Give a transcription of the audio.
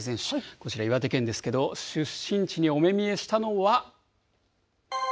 こちら、岩手県ですけど、出身地にお目見えしたのは。